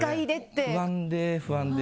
もう不安で不安で。